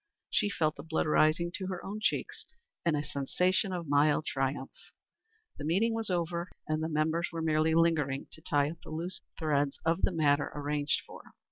She felt the blood rising to her own cheeks, and a sensation of mild triumph. The meeting was over and the members were merely lingering to tie up the loose threads of the matter arranged for.